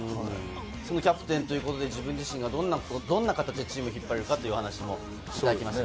キャプテンということで自分自身がどんな形でチームを引っ張れるかというお話もしていただきました。